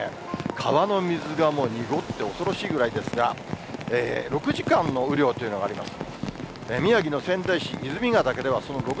川の水がもう、濁って、恐ろしいぐらいですが、６時間の雨量というのがあります。